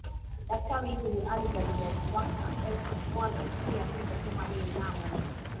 daktari huyo alizaliwa waka elfu moja mia tisa themanini na moja